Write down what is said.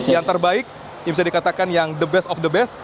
yang terbaik yang bisa dikatakan yang the best of the best